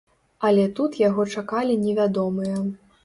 Але тут яго чакалі невядомыя.